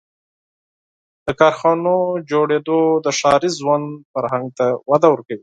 • د کارخانو جوړېدو د ښاري ژوند فرهنګ ته وده ورکړه.